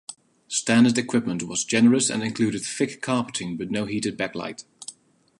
Standard equipment was generous and included thick carpeting but no heated backlight.